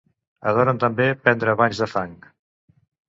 Adoren també prendre banys de fang.